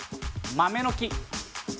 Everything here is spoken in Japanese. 豆の木。